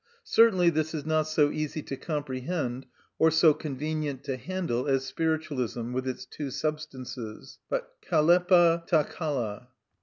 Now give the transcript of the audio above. Certainly this is not so easy to comprehend or so convenient to handle as spiritualism, with its two substances; but χαλεπα τα καλα.